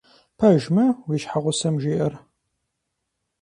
Пэж мы, уи щхьэгъусэм жиӀэр?